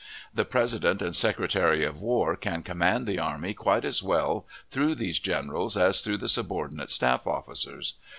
The President and Secretary of War can command the army quite as well through these generals as through the subordinate staff officers.